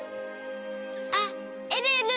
あっえるえる！